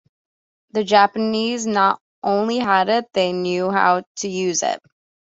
The Japanese not only had it, they knew how to use it.